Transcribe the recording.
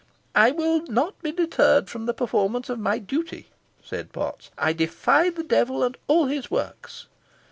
"I will not be deterred from the performance of my duty," said Potts. "I defy the devil and all his works."